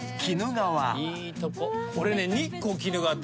俺ね。